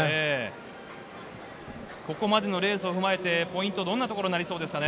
ここまでのレースを踏まえてポイントはどんなところになりそうですか？